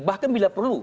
bahkan bila perlu